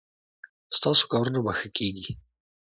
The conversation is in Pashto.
ستاسو کارونه به ښه کیږي